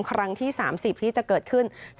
ครั้งที่๓๐ที่จะเกิดขึ้น